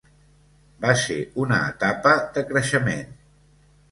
Va ser una etapa de creixement.